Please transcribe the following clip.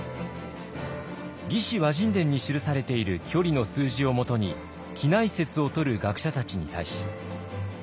「魏志倭人伝」に記されている距離の数字をもとに畿内説をとる学者たちに対し。